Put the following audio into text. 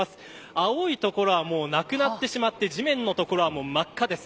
青いところはもうなくなってしまって地面のところは真っ赤です。